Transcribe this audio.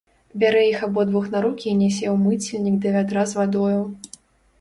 Бярэ іх абодвух на рукі і нясе ў мыцельнік да вядра з вадою.